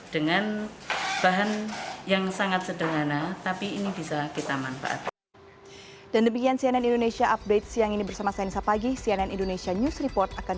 dengan bahan yang sangat sederhana tapi ini bisa kita manfaatkan